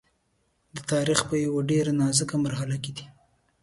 د تاریخ په یوه ډېره نازکه مرحله کې دی.